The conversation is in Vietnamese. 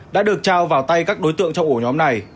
đã được trao vào tay các đối tượng trong ổ nhóm này